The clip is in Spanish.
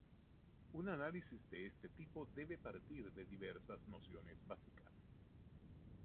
Un análisis de este tipo debe partir de diversas nociones básicas.